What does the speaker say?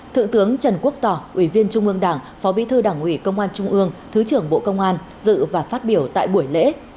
thượng tướng trần quốc tỏ ủy viên trung ương đảng phó bí thư đảng ủy công an trung ương thứ trưởng bộ công an dự và phát biểu tại buổi lễ